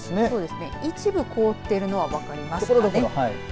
そうですね、一部凍っているの分かりますね。